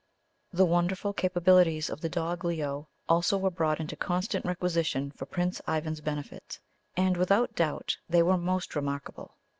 The wonderful capabilities of the dog Leo also were brought into constant requisition for Prince Ivan's benefit, and without doubt they were most remarkable.